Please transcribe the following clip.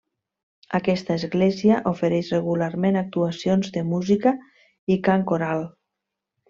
Aquesta església ofereix regularment actuacions de música i cant coral.